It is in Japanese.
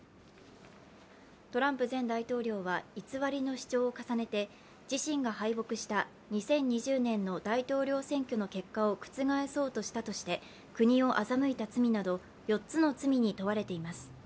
トランプ前大統領は偽りの主張を重ねて自身が敗北した２０２０年の大統領選挙の結果を覆そうとしたとして、国を欺いた罪など４つの罪に問われています。